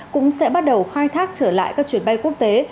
cũng sẽ bắt đầu khai thác trở lại các chuyến bay quốc tế